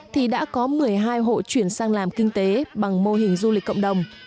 thì đã có một mươi hai hộ chuyển sang làm kinh tế bằng mô hình du lịch cộng đồng